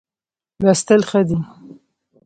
لوستل ښه دی.